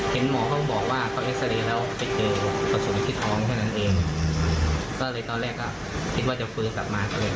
กลับมาก็เลยทำไมก็เลยต้องขอที่สุด